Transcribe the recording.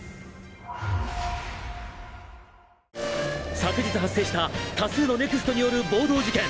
「昨日発生した多数のＮＥＸＴによる暴動事件！